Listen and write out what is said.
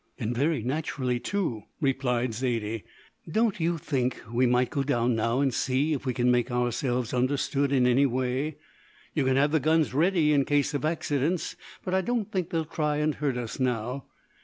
"And very naturally, too!" replied Zaidie. "Don't you think we might go down now and see if we can make ourselves understood in any way? You can have the guns ready in case of accidents, but I don't think they'll try and hurt us now.